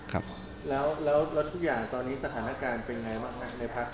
แล้วทุกอย่างตอนนี้สถานการณ์เป็นยังไงบ้างครับในพรรค